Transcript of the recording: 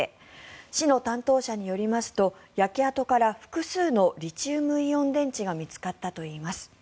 市の担当者によりますと焼け跡から、複数のリチウムイオン電池が見つかったといいます。